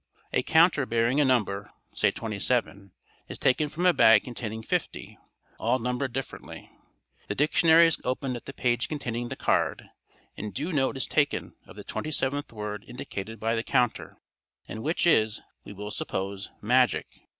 A counter bearing a number, say 27, is taken from a bag containing fifty, all numbered differently; the dictionary is opened at the page containing the card, and due note is taken of the twenty seventh word indicated by the counter, and which is, we will suppose, "Magic."